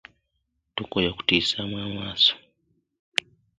Tukooye okutuyisamu amaaso.